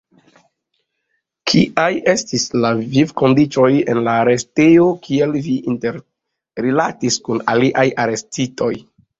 Kiaj estis la vivkondiĉoj en la arestejo, kiel vi interrilatis kun aliaj arestitoj?